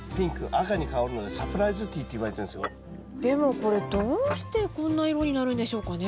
あのねこのようにでもこれどうしてこんな色になるんでしょうかね？